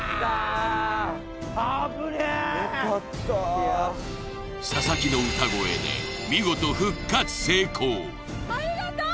危ねえよかった佐々木の歌声で見事復活成功ありがとう！